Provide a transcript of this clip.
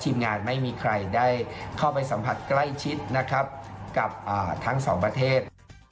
ทีมงานไม่มีใครได้เข้าไปสัมผัสใกล้ชิดนะครับกับทั้งสองประเทศ